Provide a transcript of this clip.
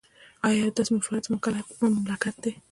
دا یو داسې منفرده مملکت دی